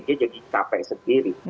dia jadi capek sendiri